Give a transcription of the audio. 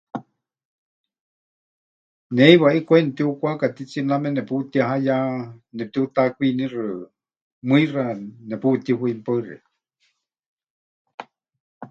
Ne heiwa ʼikwai netiukwaka titsiname neputihaya, nepɨtiutakwinixɨ, mɨixa neputihui. Paɨ xeikɨ́a.